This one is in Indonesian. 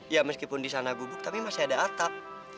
ya meskipun disana gubuk tapi masih ada atap